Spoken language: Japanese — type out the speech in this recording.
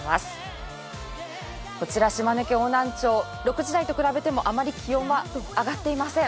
こちら島根県邑南町、６時台と比べてもあまり気温は上がっていません。